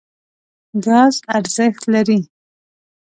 ګاز ارزښت لري.